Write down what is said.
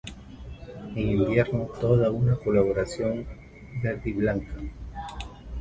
En invierno toma una coloración verdiblanca.